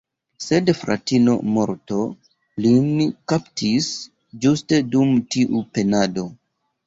Sed "fratino morto" lin kaptis ĝuste dum tiu penado.